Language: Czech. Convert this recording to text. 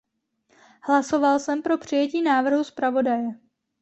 Hlasoval jsem pro přijetí návrhu zpravodaje.